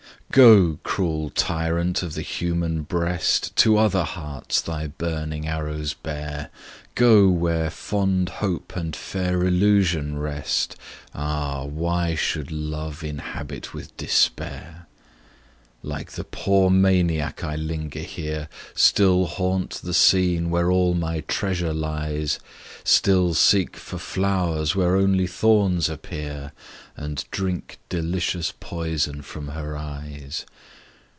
GO! cruel tyrant of the human breast! To other hearts thy burning arrows bear; Go, where fond hope, and fair illusion rest; Ah! why should love inhabit with despair! Like the poor maniac I linger here, Still haunt the scene where all my treasure lies; Still seek for flowers where only thorns appear, 'And drink delicious poison from her eyes!'